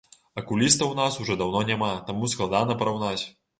Акуліста ў нас ужо даўно няма, таму складана параўнаць.